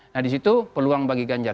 nah disitu peluang bagi ganjar